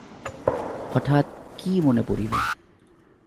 হঠাৎ কী মনে পড়িল।